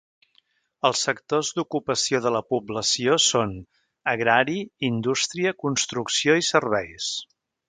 Els sectors d'ocupació de la població són: agrari, indústria, construcció i serveis.